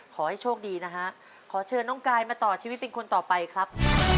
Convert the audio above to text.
ขอให้โชคดีนะฮะขอเชิญน้องกายมาต่อชีวิตเป็นคนต่อไปครับ